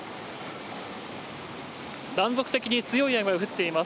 断続的に強い雨が降っています